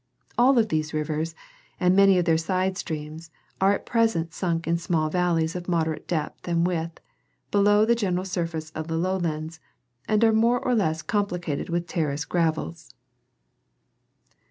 All of these rivers and many of their side streams are at present sunk in small valleys of moderate depth and width, below the general surface of the lowlands, and are more or less complicated with terrace gravels.